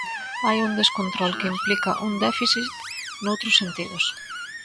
Hai un descontrol que implica un déficit noutros sentidos.